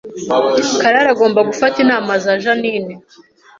Karara agomba gufata inama za Jeaninne